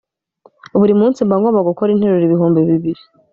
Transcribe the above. buri munsi mba ngomba gukora interuro ibihumbi bibiri